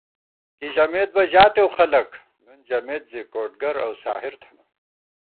کی ژَمېت بہ ژاتېؤ خلَک، نُون ژَمېت زِی کوڈگر اؤ ساحر تھنہ